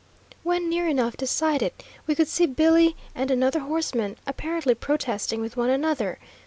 When near enough to sight it, we could see Billy and another horseman apparently protesting with one another.